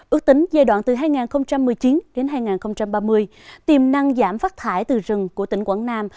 ước tính giai đoạn từ hai nghìn một mươi chín đến hai nghìn ba mươi tiềm năng giảm phát thải từ rừng của tỉnh quảng nam